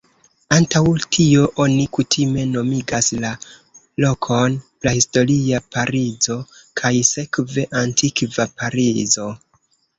Antaŭ tio, oni kutime nomigas la lokon "Prahistoria Parizo", kaj sekve "Antikva Parizo".